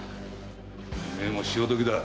おめえも潮時だ。